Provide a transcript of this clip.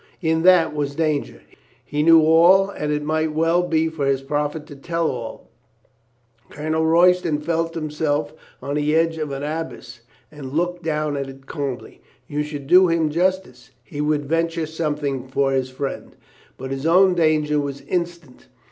In that was danger. He knew all, and it might well be for his profit to tell all. Colonel Roy ston felt himself on the edge of an abyss and looked down at it calmly. You should do him justice. He would venture something for his friend. But his own danger was instant.